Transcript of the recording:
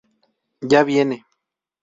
Ya viene".